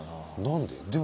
何で？